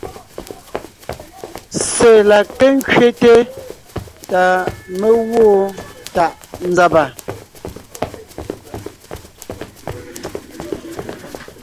Ssé la ké ńkẅéte ta mé gwoon tàʼ nzàba.